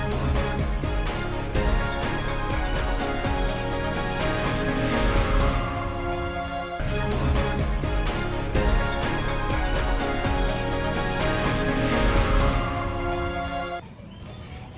bagus ini setelah pariwan